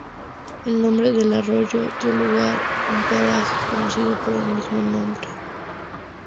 El nombre del Arroyo dio lugar un paraje conocido por el mismo nombre.